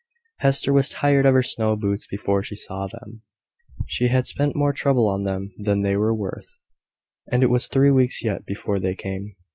Hester was tired of her snow boots before she saw them. She had spent more trouble on them than they were worth; and it was three weeks yet before they came.